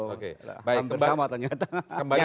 hampir sama ternyata